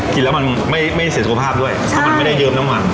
กินแล้วมันไม่เสียสุขภาพด้วยเพราะมันไม่ได้เยิมน้ำมัน